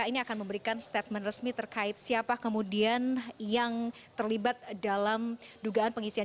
ini akan memberikan statement resmi terkait siapa kemudian yang terlibat dalam dugaan pengisian